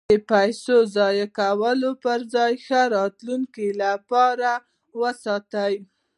د پیسو د ضایع کولو پرځای یې د ښه راتلونکي لپاره وساتئ.